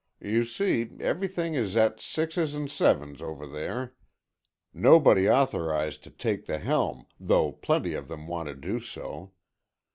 You see, everything is at sixes and sevens over there. Nobody authorized to take the helm, though plenty of them want to do so.